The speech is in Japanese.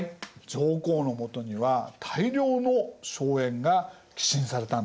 上皇のもとには大量の荘園が寄進されたんです。